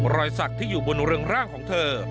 รอยสักที่อยู่บนเรืองร่างของเธอ